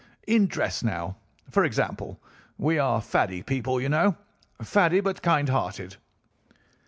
In dress now, for example. We are faddy people, you know—faddy but kind hearted.